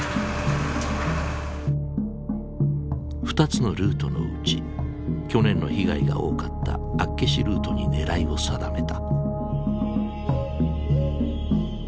２つのルートのうち去年の被害が多かった厚岸ルートに狙いを定めた。